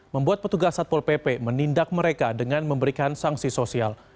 membuat petugas satpol pp menindak mereka dengan memberikan sanksi sosial